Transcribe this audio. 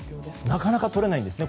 なかなかとれないんですね。